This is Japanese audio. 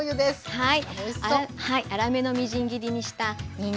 はい。